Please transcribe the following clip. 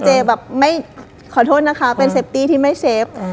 แยกด้วยเจ๊แบบขอโทษนะคะเป็นเซฟตี้ที่ไม่เชฟ